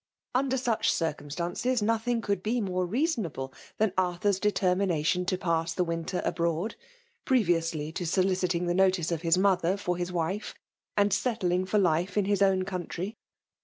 Under such circumBtances, nothing could be more reasonable ihan Arthur's determination to pass the winter abroad, previously to soliciting the notice of bis mother for hSs wife, and set ffing for life in his own country.